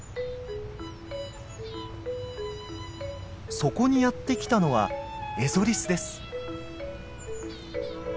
そこにやって来たのはエゾリスです。